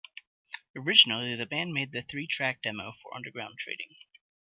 Originally the band made the three-track demo for underground trading.